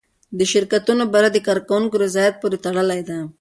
د شرکتونو بریا د کارکوونکو رضایت پورې تړلې ده.